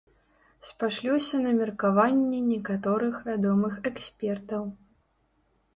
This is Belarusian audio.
Спашлюся на меркаванне некаторых вядомых экспертаў.